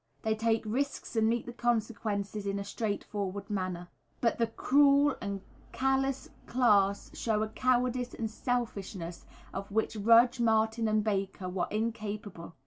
They take risks and meet the consequences in a straightforward manner. But the cruel and callous class show a cowardice and selfishness of which Rudge, Martin, and Baker were incapable.